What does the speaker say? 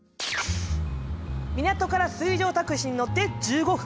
港から水上タクシーに乗って１５分。